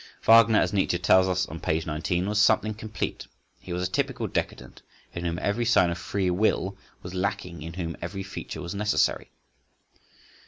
Wagner, as Nietzsche tells us on p. 19, "was something complete, he was a typical decadent in whom every sign of 'free will' was lacking, in whom every feature was necessary."